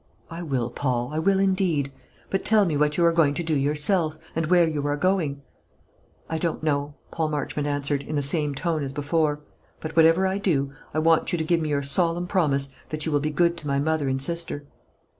"I will, Paul; I will indeed. But tell me what you are going to do yourself, and where you are going?" "I don't know," Paul Marchmont answered, in the same tone as before; "but whatever I do, I want you to give me your solemn promise that you will be good to my mother and sister."